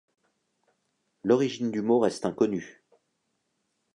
L'origine du mot reste inconnue.